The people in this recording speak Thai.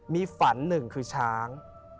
มีฝันหนึ่งคือช้าง